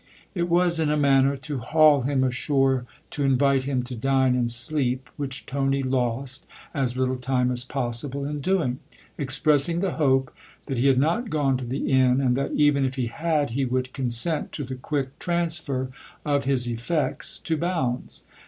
It was, in a manner, to 204 THE OTHER HOUSE haul him ashore to invite him to dine and sleep which Tony lost as little time as possible in doing ; expressing the hope that he had not gone to the inn and that even if he had he would consent to the quick transfer of his effects to Bounds.